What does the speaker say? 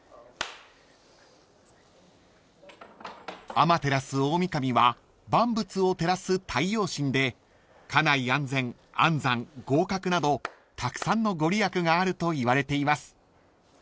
［天照大御神は万物を照らす太陽神で家内安全安産合格などたくさんの御利益があるといわれています］